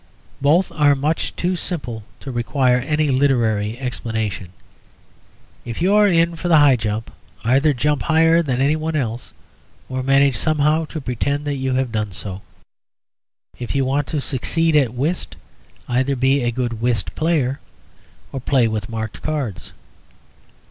Both are much too simple to require any literary explanation. If you are in for the high jump, either jump higher than any one else, or manage somehow to pretend that you have done so. If you want to succeed at whist, either be a good whist player, or play with marked cards.